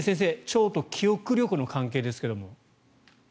腸と記憶力の関係ですけども。